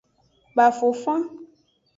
Bafofan.